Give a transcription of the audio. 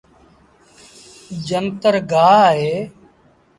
جنتر گآه اهي۔